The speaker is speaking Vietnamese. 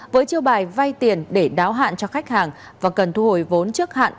với chiêu bài vay tiền để đáo hạn cho khách hàng và cần thu hồi vốn trước hạn